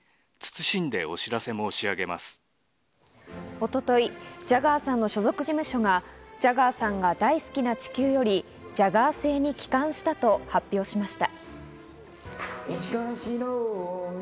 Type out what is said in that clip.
一昨日ジャガーさんの所属事務所がジャガーさんが大好きな地球より、ジャガー星に帰還したと発表しました。